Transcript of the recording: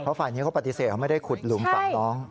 ฝ่ายนี้เขาปฏิเสธเขาไม่ได้ขุดหลุมฝั่งน้อง